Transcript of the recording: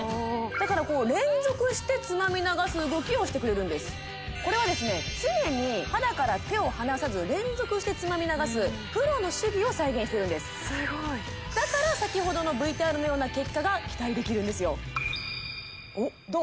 だからこう連続してつまみ流す動きをしてくれるんですこれはですね常に肌から手を離さず連続してつまみ流すプロの手技を再現してるんですすごいだから先ほどのＶＴＲのような結果が期待できるんですよどう？